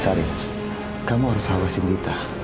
sari kamu harus hawasin dita